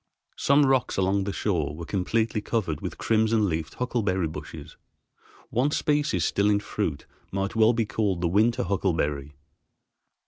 Some rocks along the shore were completely covered with crimson leafed huckleberry bushes; one species still in fruit might well be called the winter huckleberry.